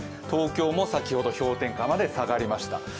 東京も先ほど氷点下まで下がりました。